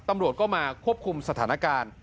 ตกกมาคบคุมสถานการณ์